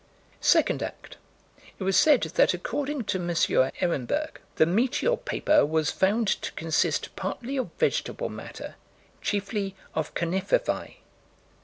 Second act: It was said that, according to M. Ehrenberg, "the meteor paper was found to consist partly of vegetable matter, chiefly of conifervæ."